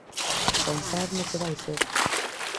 Pensar no que vai ser.